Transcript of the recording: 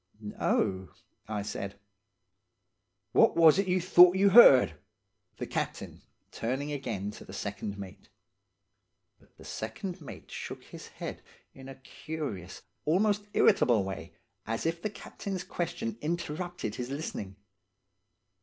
"'No,' I said. "'Wot was it you thought you heard?' the captain, turning again to the second mate. But the second mate shook his head in a curious, almost irritable way, as if the captain's question interrupted his listening.